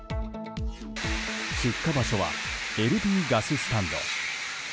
出火場所はＬＰガススタンド。